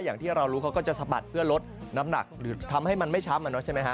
อย่างที่เรารู้เขาก็จะสะบัดเพื่อลดน้ำหนักหรือทำให้มันไม่ช้ำใช่ไหมฮะ